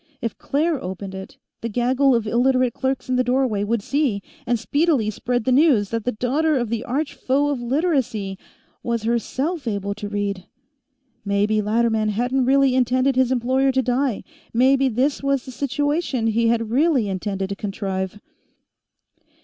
If Claire opened it, the gaggle of Illiterate clerks in the doorway would see, and speedily spread the news, that the daughter of the arch foe of Literacy was herself able to read. Maybe Latterman hadn't really intended his employer to die. Maybe this was the situation he had really intended to contrive.